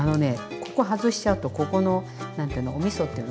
ここ外しちゃうとここの何ていうのおみそっていうの？